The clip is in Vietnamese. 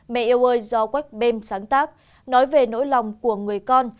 mẹ yêu ơi do quách bêm sáng tác nói về nỗi lòng của người con